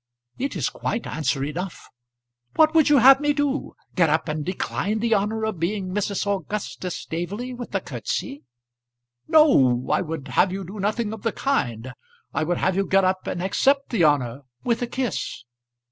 "It is quite answer enough. What would you have me do? Get up and decline the honour of being Mrs. Augustus Staveley with a curtsy?" "No I would have you do nothing of the kind. I would have you get up and accept the honour, with a kiss."